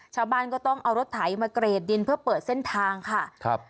ชาวบ้านก็ต้องเอารถไถมาเกรดดินเพื่อเปิดเส้นทางค่ะครับ